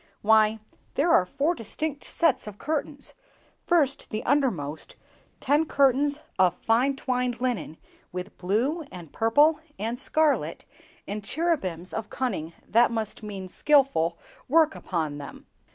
"Why, there are four distinct sets of curtains! First, the undermost, ten curtains of fine twined linen, with blue, and purple, and scarlet, and cherubims of cunning—that must mean skilful—work upon them!"